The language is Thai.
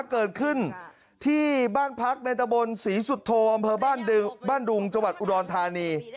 เกิดขึ้นที่บ้านพักในตะบนศรีสุโธอำเภอบ้านดุงจังหวัดอุดรธานี